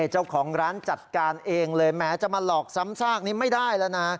เจ้าของร้านจัดการเองเลยแม้จะมาหลอกซ้ำซากนี้ไม่ได้แล้วนะ